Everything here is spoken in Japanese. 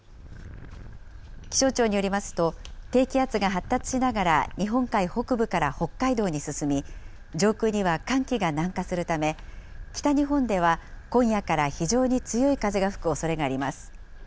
気象庁によりますと、低気圧が発達しながら日本海北部から北海道に進み、上空には寒気が南下するため、北日本では今夜から非常に強い風が吹くおそれがあります。